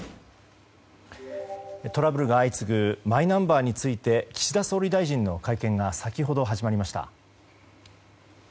トラブルが相次ぐマイナンバーについて岸田総理大臣の会見が先ほど始まりました。